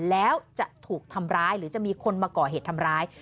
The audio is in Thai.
แล้วจะถูกทำร้ายหรือจะมีคนมาก่อเหตุทำร้าย